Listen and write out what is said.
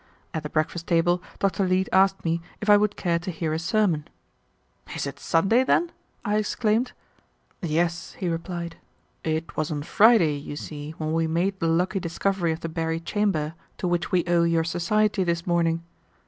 At the breakfast table Dr. Leete asked me if I would care to hear a sermon. "Is it Sunday, then?" I exclaimed. "Yes," he replied. "It was on Friday, you see, when we made the lucky discovery of the buried chamber to which we owe your society this morning.